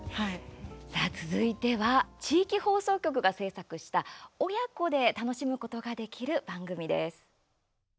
さあ、続いては地域放送局が制作した親子で楽しむことができる番組です。